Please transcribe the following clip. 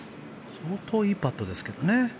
相当いいパットですけどね。